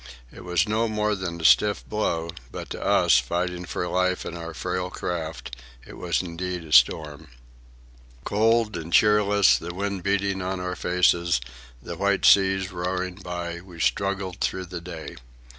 It was no more than a stiff blow, but to us, fighting for life in our frail craft, it was indeed a storm. Cold and cheerless, the wind beating on our faces, the white seas roaring by, we struggled through the day.